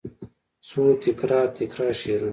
څو تکرار، تکرار شعرونه